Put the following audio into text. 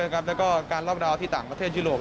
น้องอย่างเด็กอ๋อ